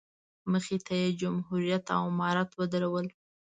مخې ته یې جمهوریت او امارت ودرول.